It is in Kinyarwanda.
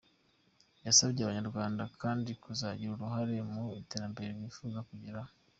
Yasabye Abanyarwanda kandi kuzagira uruhare mu iterambere bifuza kugeraho.